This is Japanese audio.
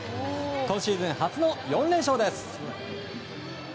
今シーズン初の４連勝です。